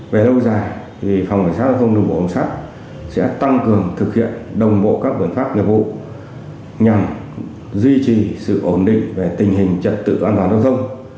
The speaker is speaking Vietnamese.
về lâu dài phòng cảnh sát giao thông đường bộ sát sẽ tăng cường thực hiện đồng bộ các biện pháp nghiệp vụ nhằm duy trì sự ổn định về tình hình trật tự an toàn giao thông